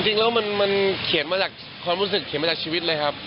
จริงแล้วมันเขียนมาจากความรู้สึกเขียนมาจากชีวิตเลยครับ